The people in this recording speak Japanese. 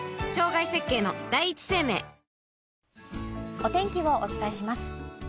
お天気をお伝えします。